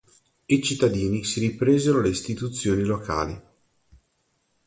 I cittadini si ripresero le istituzioni locali.